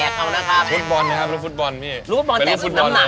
ก็คือต้องมีทักษะน่ะนอนว่า